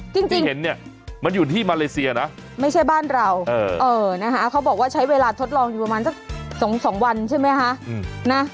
จริงเห็นเนี่ยมันอยู่ที่มาเลเซียนะไม่ใช่บ้านเรานะคะเขาบอกว่าใช้เวลาทดลองอยู่ประมาณสัก๒วันใช่ไหมคะ